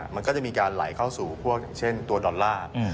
มันก็จะมีการไหลเข้าสู่พวกอย่างเช่นตัวดอลลาร์